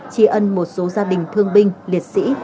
tri ân một số gia đình thương binh liệt sĩ